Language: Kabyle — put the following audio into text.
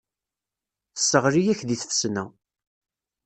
Tesseɣli-ak deg tfesna.